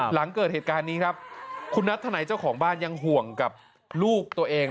หลังเกิดเหตุการณ์นี้ครับคุณนัทธนัยเจ้าของบ้านยังห่วงกับลูกตัวเอง